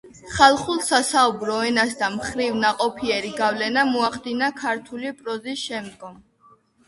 ხალხურ სასაუბრო ენას და ამ მხრივ ნაყოფიერი გავლენა მოახდინა ქართული პროზის შემდგომ